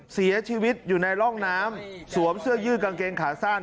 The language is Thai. เสียชีวิตอยู่ในร่องน้ำสวมเสื้อยืดกางเกงขาสั้น